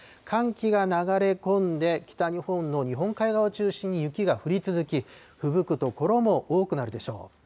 寒気が流れ込んで、北日本の日本海側を中心に雪が降り続き、ふぶく所も多くなるでしょう。